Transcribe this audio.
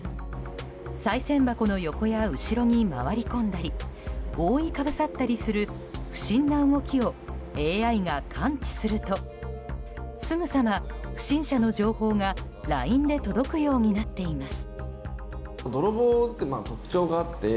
さい銭箱の横や後ろに回り込んだり覆いかぶさったりする不審な動きを、ＡＩが感知するとすぐさま不審者の情報がＬＩＮＥで届くようになっています。